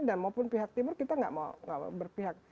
dan maupun pihak timur kita tidak mau berpihak